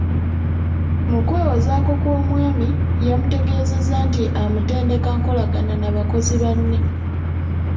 Mu kwewozaako kw'omwami yamutegeezezza nti amutendeka nkolagana na bakozi banne.